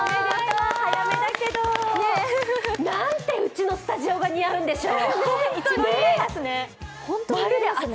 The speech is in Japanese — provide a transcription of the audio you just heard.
早めだけど、なんてうちのスタジオが似合うんでしょう。